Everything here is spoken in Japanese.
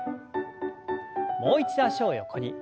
もう一度脚を横に。